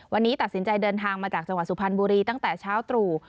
วันนี้ตัดสินใจเดินทางมาจากจังหวัดสุพรรณบุรีตั้งแต่เช้าตรู่